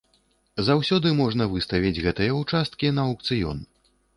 Заўсёды можна выставіць гэтыя ўчасткі на аўкцыён.